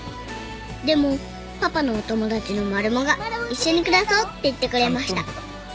［でもパパのお友達のマルモが一緒に暮らそうって言ってくれました］